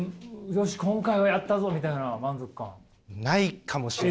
よし今回はやったぞみたいな満足感。